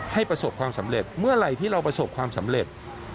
ประสบความสำเร็จเมื่อไหร่ที่เราประสบความสำเร็จ